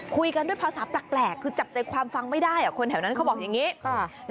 คุยกันด้วยภาษาแปลกคือจับใจความฟังไม่ได้อ่ะคนแถวนั้นเขาบอกอย่างนี้ค่ะ